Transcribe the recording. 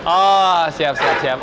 oh siap siap siap